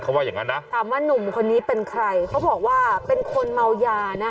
เขาว่าอย่างงั้นนะถามว่านุ่มคนนี้เป็นใครเขาบอกว่าเป็นคนเมายานะ